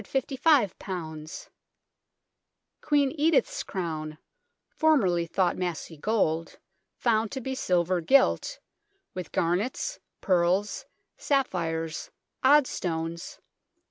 355 o o Queen Edith's Crown, formerly thought massy gold, found to be silver gilt, with garnets, pearls, sapphires, odd stones